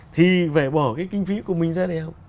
thì phải bỏ cái kinh phí của mình ra để không